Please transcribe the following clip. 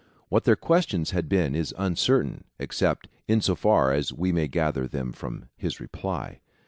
What their questions had been is uncer tain, except in so far as we may gather them from his reply.